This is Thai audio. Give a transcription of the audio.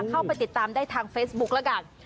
เข้าไปติดตามได้ทางเฟซบุ๊คแล้วกัน